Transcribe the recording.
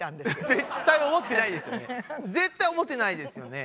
絶対思ってないですよね。